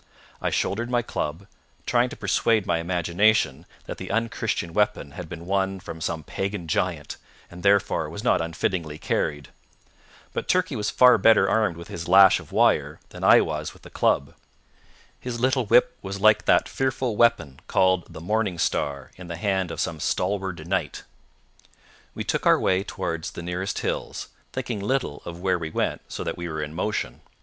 I shouldered my club, trying to persuade my imagination that the unchristian weapon had been won from some pagan giant, and therefore was not unfittingly carried. But Turkey was far better armed with his lash of wire than I was with the club. His little whip was like that fearful weapon called the morning star in the hand of some stalwart knight. We took our way towards the nearest hills, thinking little of where we went so that we were in motion.